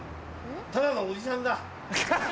ただのおじさんだ。